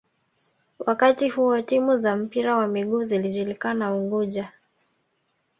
Wakati huo timu za mpira wa miguu zilijulikana Unguja